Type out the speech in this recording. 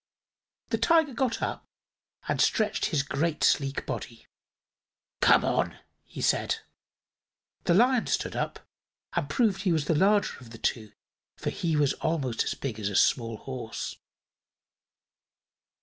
The Tiger got up and stretched his great, sleek body. "Come on," he said. The Lion stood up and proved he was the larger of the two, for he was almost as big as a small horse.